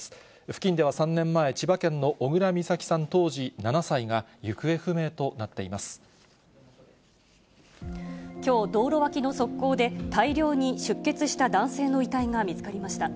付近では３年前、千葉県の小倉美咲さん当時７歳が、行方不明となきょう、道路脇の側溝で、大量に出血した男性の遺体が見つかりました。